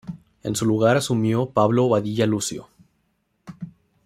En su lugar asumió Pablo Badilla Lucio.